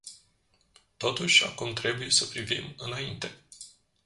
Totuși, acum trebuie să privim înainte.